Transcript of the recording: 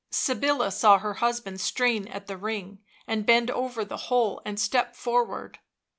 Sybilla saw her husband strain at the ring and bend over the hole, and stepped forward.